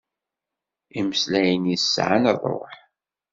Imeslayen-is sɛan rruḥ.